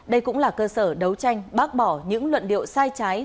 đây cũng là cơ sở đấu tranh bác bỏ những luận điệu sai trái